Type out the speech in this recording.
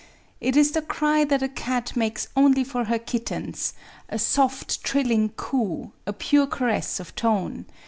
It is the cry that a cat makes only for her kittens, — a soft trilling coo, — a pure caress of tone.